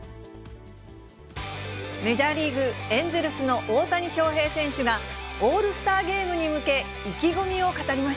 メジャーリーグ・エンゼルスの大谷翔平選手が、オールスターゲームに向け、意気込みを語りま